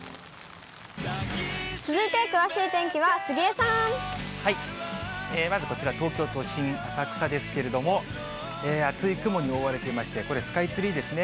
続いて、詳しい天気は杉江さまずこちら、東京都心、浅草ですけれども、厚い雲に覆われていまして、これ、スカイツリーですね。